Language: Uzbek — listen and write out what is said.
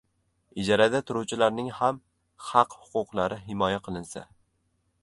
Ijarada turuvchilarning ham xaq-huquqlari himoya qilinsa.